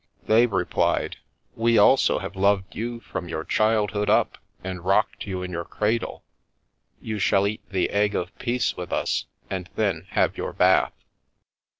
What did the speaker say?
They replied :" We also have loved you from your childhood up and rocked you in your cradle. You shall eat the egg of peace with us and then have your bath."